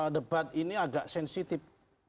debat ini agak sensitif